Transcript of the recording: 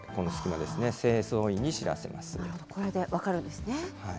なるほど、これで分かるんですね。